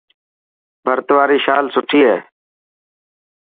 ڀرت واري شال سٺي هي.